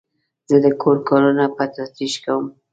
زه د کور کارونه په تدریج کوم.